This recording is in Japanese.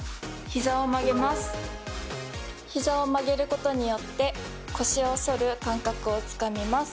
膝を曲げることによって腰を反る感覚をつかみます。